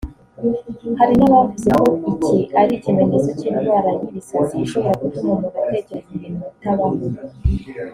Hari n’abavuze ko iki ari ikimenyetso cy’indwara y’ibisazi ishobora gutuma umuntu atekereza ibintu bitabaho